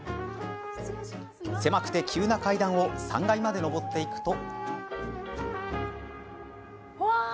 狭くて急な階段を３階まで上っていくと。